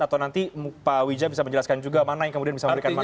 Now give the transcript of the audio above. atau nanti pak wija bisa menjelaskan juga mana yang kemudian bisa memberikan manfaat